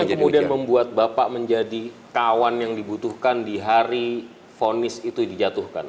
apa yang kemudian membuat bapak menjadi kawan yang dibutuhkan di hari vonis itu dijatuhkan